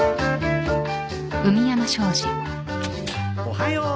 おはよう。